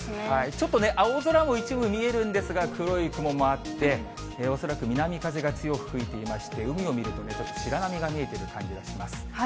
ちょっとね、青空も一部見えるんですが、黒い雲もあって、恐らく南風が強く吹いていまして、海を見ると、白波が見えている感じがします。